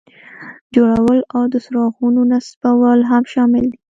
جوړول او د څراغونو نصبول هم شامل دي.